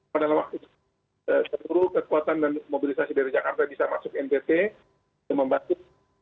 padahal waktu seluruh kekuatan dan mobilisasi dari jakarta bisa masuk mpt dan membantu